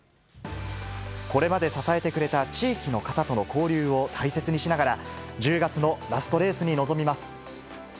これまで支えてくれた地域の方との交流を大切にしながら、１０月のラストレースに臨みます。